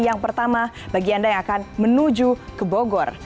yang pertama bagi anda yang akan menuju ke bogor